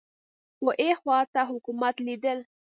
خو ها خوا ته حکومت لیدل